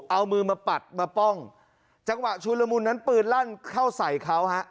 เอามือมาปัดมาป้องจังหวะชุนละมุนนั้นปืนลั่นเข้าใส่เขาฮะ